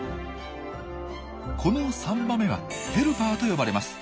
この３羽目は「ヘルパー」と呼ばれます。